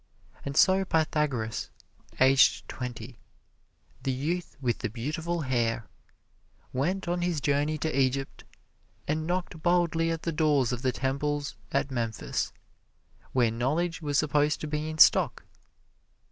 And so Pythagoras, aged twenty, "the youth with the beautiful hair," went on his journey to Egypt and knocked boldly at the doors of the temples at Memphis, where knowledge was supposed to be in stock.